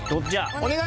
お願い！